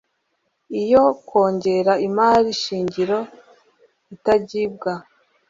iyo kongera imari shingiro itagibwa